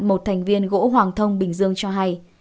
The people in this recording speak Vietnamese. một thành viên gỗ hoàng thông bình dương cho hay